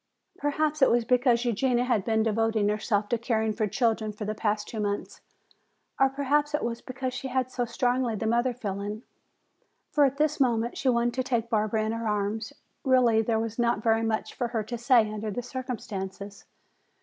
Perhaps it was because Eugenia had been devoting herself to caring for children for the past two months, or perhaps it was because she had so strongly the mother feeling. For at this moment she wanted to take Barbara in her arms. Really, there was not very much for her to say under the circumstances.